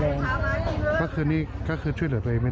พอเดินได้ค่ะเพราะเดาได้ช่วยเหลือตัวเองได้